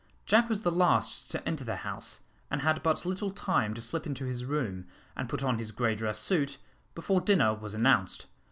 Jack was the last to enter the house, and had but little time to slip into his room, and put on his grey dress suit, before dinner was announced.